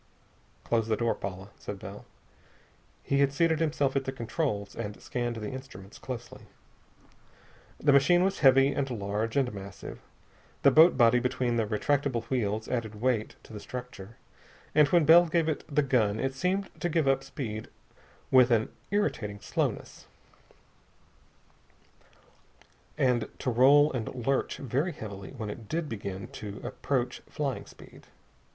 "Close the door, Paula," said Bell. He had seated himself at the controls, and scanned the instruments closely. This machine was heavy and large and massive. The boat body between the retractable wheels added weight to the structure, and when Bell gave it the gun it seemed to pick up speed with an irritating slowness, and to roll and lurch very heavily when it did begin to approach flying speed.